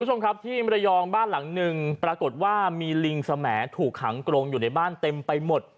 คุณผู้ชมครับที่มรยองบ้านหลังหนึ่งปรากฏว่ามีลิงสมถูกขังกรงอยู่ในบ้านเต็มไปหมด